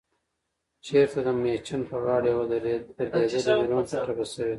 چرته دمیچن په غاړه يوه دردېدلې مېرمن ټپه شوې ده